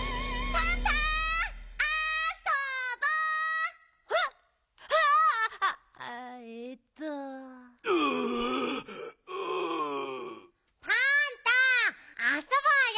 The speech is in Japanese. パンタあそぼうよ。